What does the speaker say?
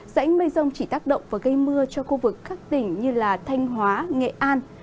dãnh mây rông chỉ tác động và gây mưa cho khu vực các tỉnh như thanh hóa nghệ an